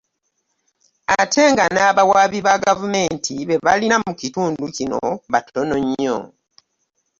Ate nga n'abawaabi ba gavumenti be balina mu kitundu kino batono nnyo.